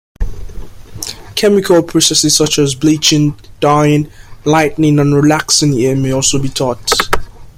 Chemical processes such as bleaching, dyeing, lightening and relaxing hair may also be taught.